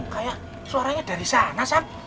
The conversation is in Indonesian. kaya suaranya dari sana sam